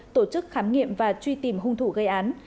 tổ chức khám nghiệm và truy tìm hung thủ gây án